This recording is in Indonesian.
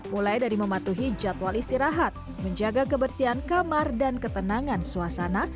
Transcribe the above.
mulai dari mematuhi jadwal istirahat menjaga kebersihan kamar dan ketenangan suasana